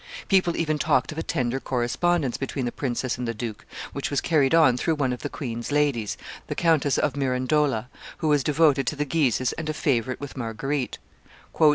People even talked of a tender correspondence between the princess and the duke, which was carried on through one of the queen's ladies, the Countess of Mirandola, who was devoted to the Guises and a favorite with Marguerite.